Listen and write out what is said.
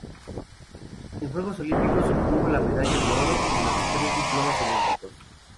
En Juegos Olímpicos, obtuvo la medalla de oro en los y tres diplomas olímpicos.